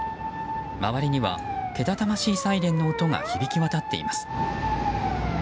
周りには、けたたましいサイレンの音が響き渡っています。